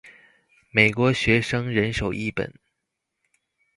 美國學生人手一本